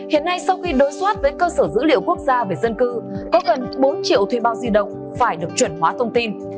hiện nay sau khi đối soát với cơ sở dữ liệu quốc gia về dân cư có gần bốn triệu thuê bao di động phải được chuẩn hóa thông tin